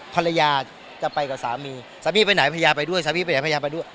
ภรรยาจะไปกับสามีสามีไปไหนภรรยาไปด้วยสามีไปไหนภรรยาไปด้วย